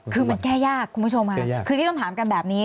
คือมันแก้ยากคุณผู้ชมค่ะคือที่ต้องถามกันแบบนี้